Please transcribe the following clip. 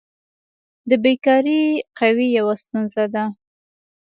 د بیکاري قوي یوه ستونزه ده.